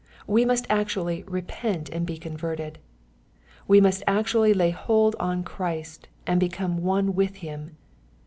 We must actually " I'epent and be converted." We must actually lay hold on Christ, and become one with Him.